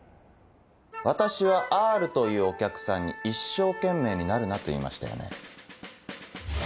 私はＲというお客さんに一生懸命になるなと言いましたよね。